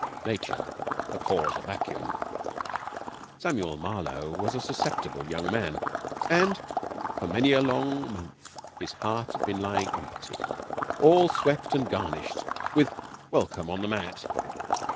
Nature abhors a vacuum. Samuel Marlowe was a susceptible young man, and for many a long month his heart had been lying empty, all swept and garnished, with "Welcome" on the mat.